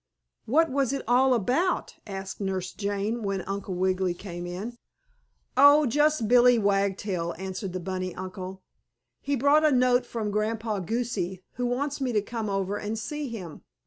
"What was it all about?" asked Nurse Jane, when Uncle Wiggily came in. "Oh, just Billie Wagtail," answered the bunny uncle. "He brought a note from Grandpa Goosey, who wants me to come over and see him.